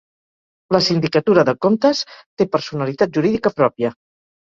La Sindicatura de Comptes té personalitat jurídica pròpia.